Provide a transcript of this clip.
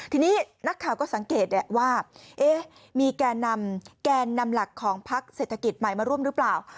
ทีนี้นักข่าวก็สังเกตว่ามีแกนนำหลักของพักเศรษฐกิจใหม่มาร่วมหรือเปล่า